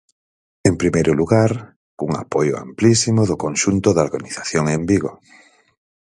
En primeiro lugar, cun apoio amplísimo do conxunto da organización en Vigo.